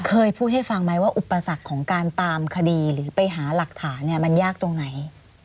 เคยพูดให้ฟังไหมว่าอุปสรรคของการตามคดีหรือไปหาหลักฐานเนี่ยมันยากตรงไหน